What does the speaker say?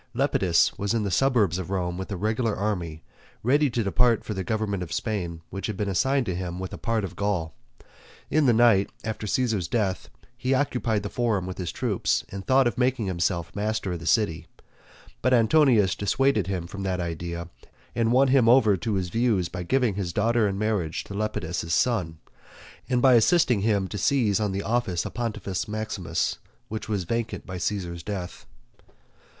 Lepidus was in the suburbs of Rome with a regular army, ready to depart for the government of Spain, which had been assigned to him with a part of Gaul. In the night, after Caesar's death he occupied the forum with his troops and thought of making himself master of the city, but Antonius dissuaded him from that idea and won him over to his views by giving his daughter in marriage to Lepidus's son, and by assisting him to seize on the office of Pontifex Maximus, which was vacant by Caesar's death.